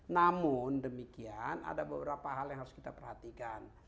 namun demikian ada beberapa hal yang harus kita perhatikan